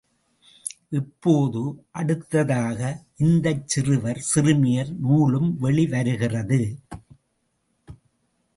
இப்போது, அடுத்ததாக, இந்தச் சிறுவர் சிறுமியர் நூலும் வெளிவருகிறது.